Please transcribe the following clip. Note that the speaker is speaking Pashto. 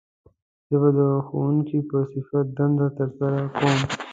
زه به د ښوونکي په صفت دنده تر سره کووم